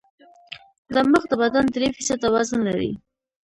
دماغ د بدن درې فیصده وزن لري.